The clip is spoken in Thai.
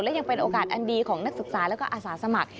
และยังเป็นโอกาสอันดีของนักศึกษาแล้วก็อาสาสมัคร